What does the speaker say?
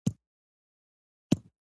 حوا مې له خپل غوښتنلیک لېږلو خبره کړه.